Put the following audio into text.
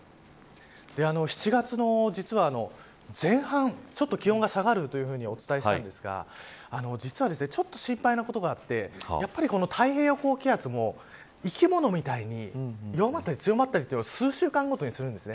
７月の、実は前半ちょっと気温が下がるとお伝えしたんですが実はちょっと心配なことがあって太平洋高気圧も生き物みたいに弱まったり強まったり数週間ごとにするんです。